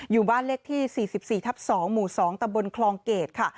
อยู่บ้านเลขที่๔๔ทับ๒หมู่๒ตะบนคลองเกรดค่ะ